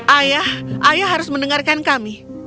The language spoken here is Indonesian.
ayah ayah harus mendengarkan kami